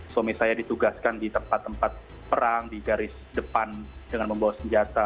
suami saya ditugaskan di tempat tempat perang di garis depan dengan membawa senjata